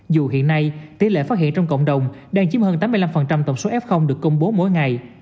dù hiện nay tỷ lệ phát hiện trong cộng đồng đang chiếm hơn tám mươi năm tổng số f được công bố mỗi ngày